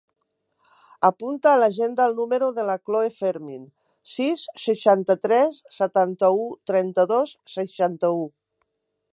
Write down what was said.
Apunta a l'agenda el número de la Chloe Fermin: sis, seixanta-tres, setanta-u, trenta-dos, seixanta-u.